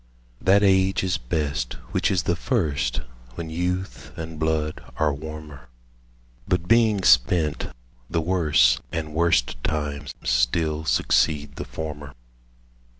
That age is best which is the first, When youth and blood are warmer; 10 But being spent, the worse, and worst Times still succeed the former.